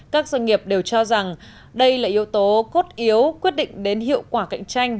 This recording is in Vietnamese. các doanh nghiệp đều cho rằng đây là yếu tố cốt yếu quyết định đến hiệu quả cạnh tranh